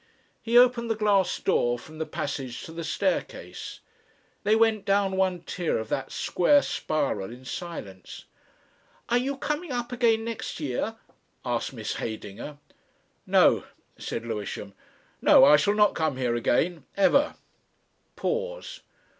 He opened the glass door from the passage to the staircase. They went down one tier of that square spiral in silence. "Are you coming up again next year?" asked Miss Heydinger. "No," said Lewisham. "No, I shall not come here again. Ever." Pause.